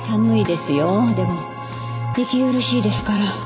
でも息苦しいですから。